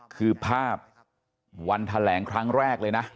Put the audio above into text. คือภาพวันแถลงครั้งแรกเลยนะ